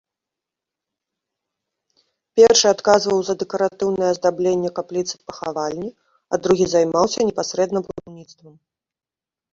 Першы адказваў за дэкаратыўнае аздабленне капліцы-пахавальні, а другі займаўся непасрэдна будаўніцтвам.